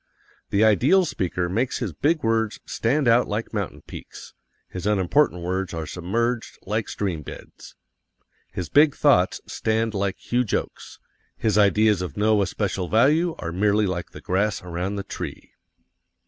The ideal speaker makes his big words stand out like mountain peaks; his unimportant words are submerged like stream beds. His big thoughts stand like huge oaks; his ideas of no especial value are merely like the grass around the tree.